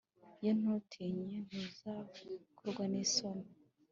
Ye ntutinye ntuzakorwa n isoni